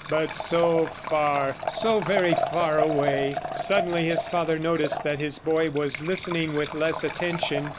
. but so far, so very far away! Suddenly the father noticed that his boy was listening with less attention.